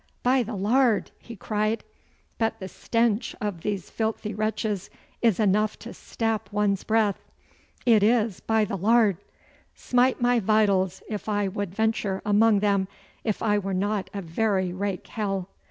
'By the Lard!' he cried, 'but the stench of these filthy wretches is enough to stap one's breath. It is, by the Lard! Smite my vitals if I would venture among them if I were not a very rake hell.